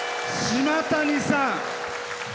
島谷さん。